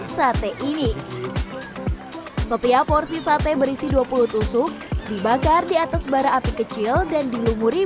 sate ini setiap porsi sate berisi dua puluh tusuk dibakar di atas bara api kecil dan dilumuri